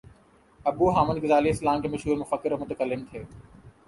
ابو حامد غزالی اسلام کے مشہور مفکر اور متکلم تھے